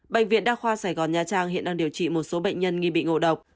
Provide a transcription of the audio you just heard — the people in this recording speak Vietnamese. bệnh viện đa khoa sài gòn nha trang hiện đang điều trị một số bệnh nhân nghi bị ngộ độc